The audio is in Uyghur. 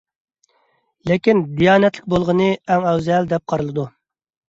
لېكىن دىيانەتلىك بولغىنى ئەڭ ئەۋزەل دەپ قارىلىدۇ.